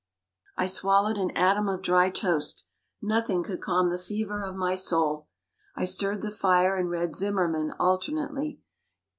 I swallowed an atom of dry toast nothing could calm the fever of my soul. I stirred the fire and read Zimmermann alternately.